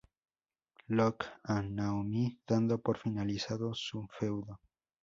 Lock" a Naomi, dando por finalizado su feudo.